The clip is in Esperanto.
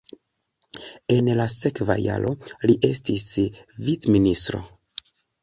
En la sekva jaro li estis vicministro.